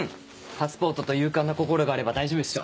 パスポートと勇敢な心があれば大丈夫っしょ。